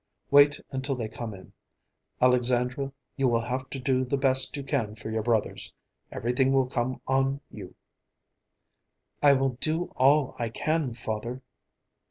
Wait until they come in. Alexandra, you will have to do the best you can for your brothers. Everything will come on you." "I will do all I can, father."